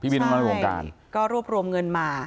ใช่ก็รวบรวมเงินมา